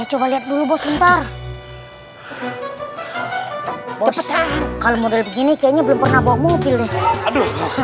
coba lihat dulu bos bentar bos kalau model begini kayaknya belum pernah bawa mobil aduh